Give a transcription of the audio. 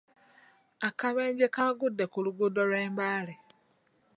Akabenje kagudde ku luguudo lw'e Mbale.